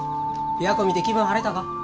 琵琶湖見て気分晴れたか？